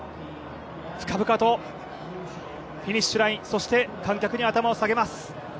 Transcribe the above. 深々とフィニッシュライン、そして観客に頭を下げます。